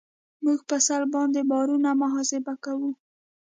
موږ په سلب باندې بارونه محاسبه کوو